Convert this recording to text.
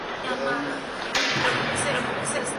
Andy Linden